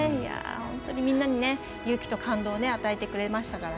本当にみんなに勇気と感動を与えてくれました。